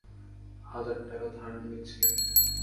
হাজার টাকা ধার নিয়েছি।